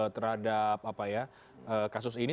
terhadap kasus ini